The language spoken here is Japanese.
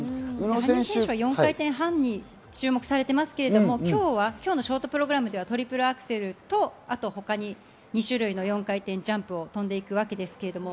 羽生選手は４回転半に注目されていますが今日はショートプログラムではトリプルアクセルと、あと他に２種類の４回転ジャンプを跳んでいくわけです。